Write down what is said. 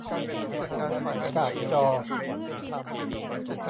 การ์ดจอ